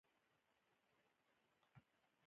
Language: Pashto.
د پیرودونکي باور د زر شتمنیو ارزښت لري.